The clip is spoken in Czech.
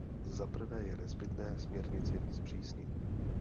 Zaprvé je nezbytné směrnici zpřísnit.